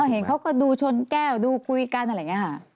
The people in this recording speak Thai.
เห็นเขาก็ดูชนแก้วดูคุยกันอะไรอย่างนี้ค่ะ